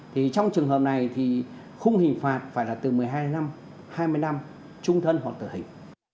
thì trong trường hợp này thì khung hình phạt phải là từ một mươi hai năm hai mươi năm trung thân hoặc tử hình